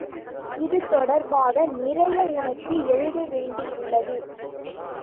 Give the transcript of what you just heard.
இது தொடர்பாக நிறைய உனக்கு எழுத வேண்டியுள்ளது.